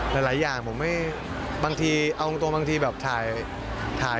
หลายอย่างองค์ตัวบางทีถ่าย